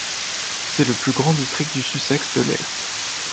C'est le plus grand district du Sussex de l’Est.